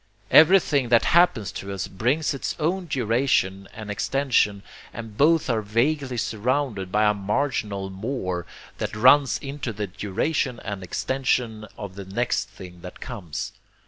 Everything that happens to us brings its own duration and extension, and both are vaguely surrounded by a marginal 'more' that runs into the duration and extension of the next thing that comes.